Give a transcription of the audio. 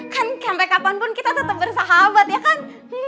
kan sampai kapanpun kita tetap bersahabat ya kan